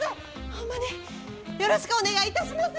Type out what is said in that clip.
ホンマによろしくお願いいたします！